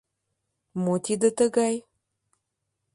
«Мо тиде тыгай?